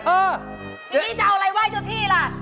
เออเจ๊เจ๊นี่จะเอาอะไรวายเจ้าที่ล่ะ